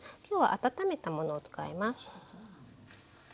きょうは温めたものを使います。